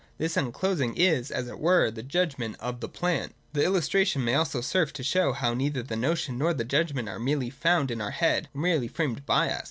This unclosing is, as it were, the judgment of the plant. The illustration may also serve to show how neither the notion nor the judgment are merely found in our head, or merely framed by us.